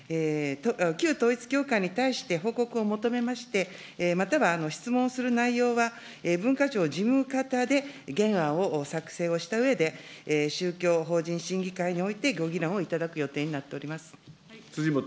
旧統一教会に対して報告を求めまして、または質問する内容は、文化庁事務方で原案を作成をしたうえで、宗教法人審議会においてご議論を頂く予定になっております。